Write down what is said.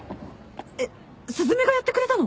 えっ雀がやってくれたの？